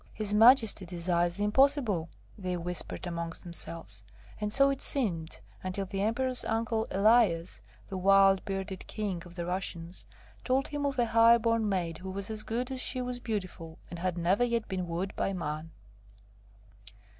'His Majesty desires the impossible!' they whispered amongst themselves, and so it seemed until the Emperor's Uncle Elias, the wild bearded King of the Russians, told him of a highborn maid who was as good as she was beautiful, and had never yet been wooed by man.